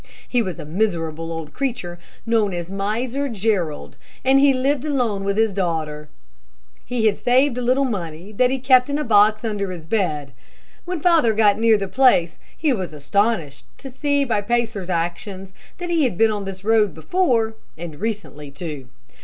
He was a miserable old creature, known as Miser Jerrold, and he lived alone with his daughter. He had saved a little money that he kept in a box under his bed. When father got near the place, he was astonished to see by Pacer's actions that he had been on this road before, and recently, too.